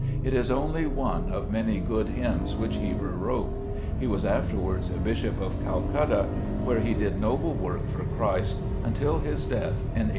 It is only one of many good hymns which Heber wrote. He was afterwards Bishop of Cal cutta, where he did noble work for Christ until his death in 1826.